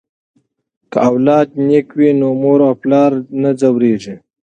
که اولاد نیک وي نو مور او پلار نه ځورېږي.